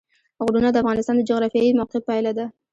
غرونه د افغانستان د جغرافیایي موقیعت پایله ده.